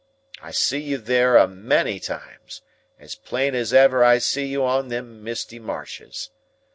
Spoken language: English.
I see you there a many times, as plain as ever I see you on them misty marshes.